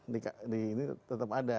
di ini tetap ada